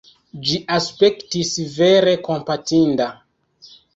Ĝi aspektis vere kompatinda.